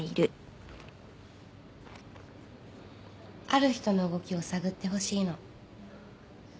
ある人の動きを探ってほしいの